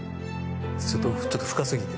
ちょっと深すぎて。